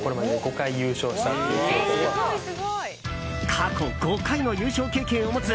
過去５回の優勝経験を持つ